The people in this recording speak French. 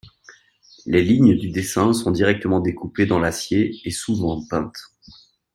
Les lignes du dessin sont directement découpées dans l'acier et souvent peintes.